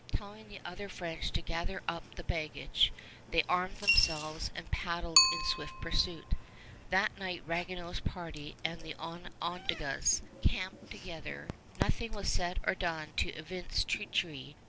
Telling the other French to gather up the baggage, they armed themselves and paddled in swift pursuit. That night Ragueneau's party and the Onondagas camped together. Nothing was said or done to evince treachery.